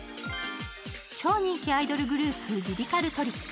超人気アイドルグループりりかるトリック。